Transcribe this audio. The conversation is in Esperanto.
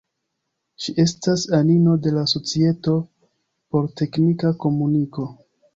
Ŝi estas anino de la Societo por Teknika Komuniko.